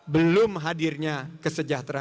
belum hadirnya kesejahteraan